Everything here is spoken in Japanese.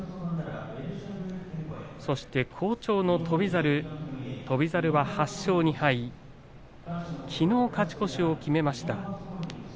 そして、好調の翔猿８勝２敗きのう勝ち越しを決めました。